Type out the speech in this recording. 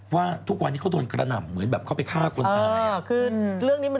ว่าทุกวันนี้เขาโดนกระหน่ำเหมือนแบบเขาไปฆ่าคนตาย